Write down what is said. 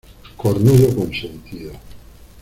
cornudo Consentido.